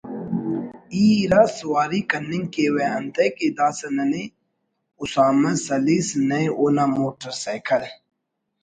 ای اِرا سواری کننگ کیوہ اتنئے کہ داسہ نئے اسامہ سلیس نئے اونا موٹر سائیکل